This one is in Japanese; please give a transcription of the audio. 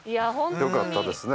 よかったですね。